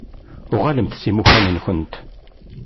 Uɣalemt s imukan-nkent.